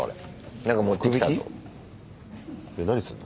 何すんの？